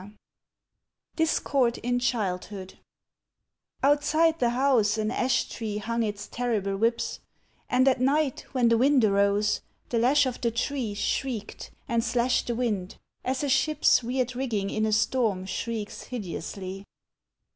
_) DISCORD IN CHILDHOOD OUTSIDE the house an ash tree hung its terrible whips, And at night when the wind arose, the lash of the tree Shrieked and slashed the wind, as a ship's Weird rigging in a storm shrieks hideously.